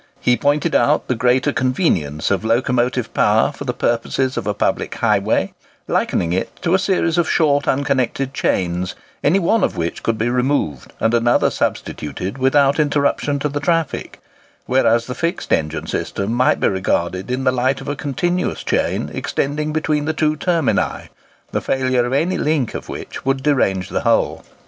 He pointed out the greater convenience of locomotive power for the purposes of a public highway, likening it to a series of short unconnected chains, any one of which could be removed and another substituted without interruption to the traffic; whereas the fixed engine system might be regarded in the light of a continuous chain extending between the two termini, the failure of any link of which would derange the whole.